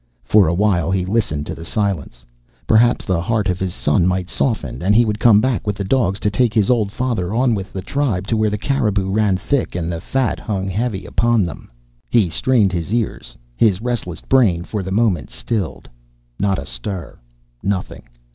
For a while he listened to the silence. Perhaps the heart of his son might soften, and he would come back with the dogs to take his old father on with the tribe to where the caribou ran thick and the fat hung heavy upon them. He strained his ears, his restless brain for the moment stilled. Not a stir, nothing.